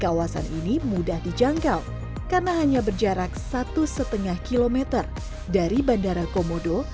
kawasan ini mudah dijangkau karena hanya berjarak satu lima km dari bandara komodo